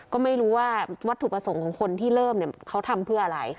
ก็ไม่รู้ว่าวัตถุประสงค์ของคนที่เริ่มเนี่ยเขาทำเพื่ออะไร